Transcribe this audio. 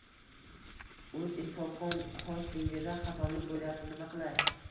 Uzinfocom hostingida xatolik bo’layapti, nima qilay